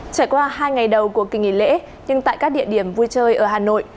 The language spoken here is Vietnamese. trải qua hai ngày đầu của kỳ nghỉ lễ nhưng tại các địa điểm vui chơi ở hà nội